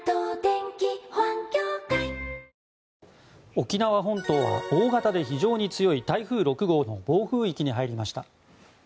沖縄本島は大型で非常に強い台風６号の暴風域に入りました。